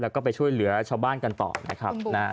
แล้วก็ไปช่วยเหลือชาวบ้านกันต่อนะครับนะฮะ